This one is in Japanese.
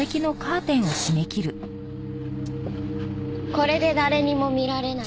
これで誰にも見られない。